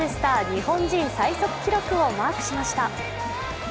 日本人最速記録をマークしました。